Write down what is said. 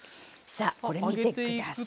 さあこれ見て下さい。